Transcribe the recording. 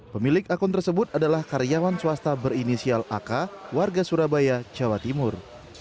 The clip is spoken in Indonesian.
pemilik akun tersebut adalah karyawan swasta berinisial ak warga surabaya jawa timur